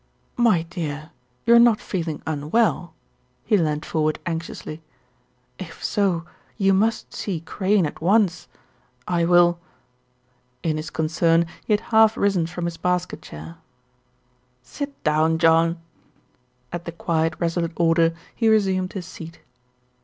"My dear, you're not feeling unwell," he leaned for ward anxiously. "If so you must see Crane at once, I will ." In his concern he had half risen from his basket chair. "Sit down, John." At the quiet resolute order he resumed his seat.